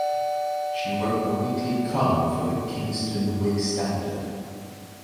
She wrote a weekly column for the "Kingston Whig-Standard".